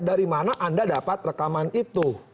dari mana anda dapat rekaman itu